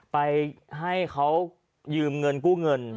ไปให้เขายืมเงินกู้เงิน